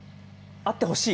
あってほしい。